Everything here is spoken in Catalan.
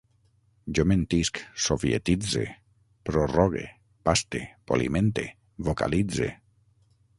Jo mentisc, sovietitze, prorrogue, paste, polimente, vocalitze